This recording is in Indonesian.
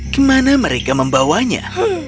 kemana mereka membawanya